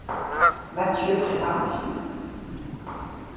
Mathieu prépare un film.